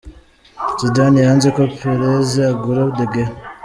Zidane yanze ko Perez agura De Gea .